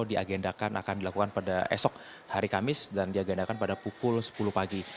diagendakan akan dilakukan pada esok hari kamis dan diagendakan pada pukul sepuluh pagi